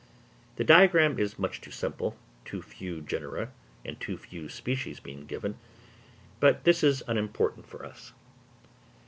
The diagram is much too simple, too few genera and too few species being given, but this is unimportant for us.